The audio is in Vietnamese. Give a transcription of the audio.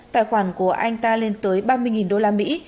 tài khoản của anh ta lên tới ba mươi đô la mỹ